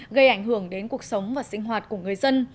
gây ảnh hưởng đến cuộc sống và sinh hoạt của người dân